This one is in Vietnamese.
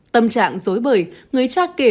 tâm trạng dối bởi người cha kể